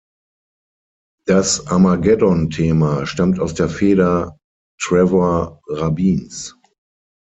Das Armageddon-Thema stammt aus der Feder Trevor Rabins.